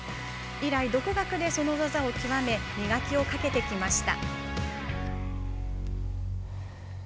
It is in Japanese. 以来、独学で、その技を極め磨きをかけてきました。